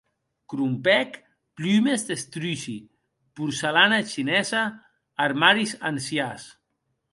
Crompèc plumes d’estruci, porcelana chinesa, armaris ancians.